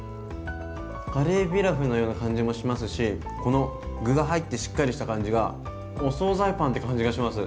カレーピラフのような感じもしますしこの具が入ってしっかりした感じがお総菜パンって感じがします。